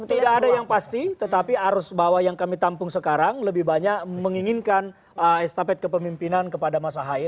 tidak ada yang pasti tetapi arus bawah yang kami tampung sekarang lebih banyak menginginkan estafet kepemimpinan kepada mas ahaye